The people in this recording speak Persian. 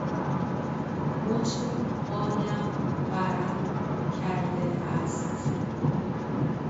مچ پایم ورم کرده است.